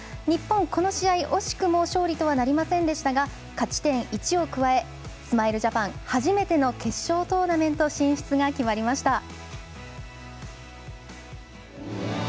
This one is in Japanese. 日本、この試合惜しくも勝利とはなりませんでしたが勝ち点１を加えスマイルジャパン初めての決勝トーナメント進出が決まりました。